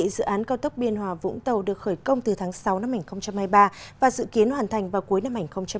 dự án cao tốc biên hòa vũng tàu được khởi công từ tháng sáu năm hai nghìn hai mươi ba và dự kiến hoàn thành vào cuối năm hai nghìn hai mươi năm